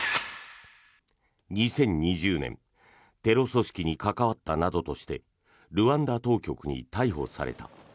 ２０２０年テロ組織に関わったなどとしてルワンダ当局に逮捕された。